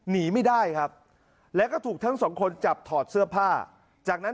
หนีไม่ได้ครับแล้วก็ถูกทั้งสองคนจับถอดเสื้อผ้าจากนั้น